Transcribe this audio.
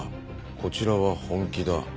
「こちらは本気だ」